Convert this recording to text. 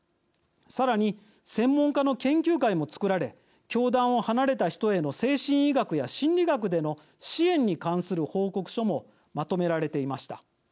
さらに、専門家の研究会も作られ教団を離れた人への精神医学や心理学での支援に関する報告書もまとめられていました。